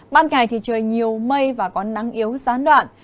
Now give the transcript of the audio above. ban ngày thì trời nhiều mây và có nắng yếu gián đoạn